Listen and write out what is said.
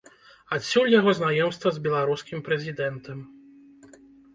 Адсюль яго знаёмства з беларускім прэзідэнтам.